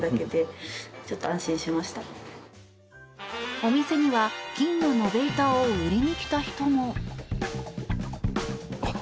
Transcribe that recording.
お店には金の延べ板を売りに来た人も。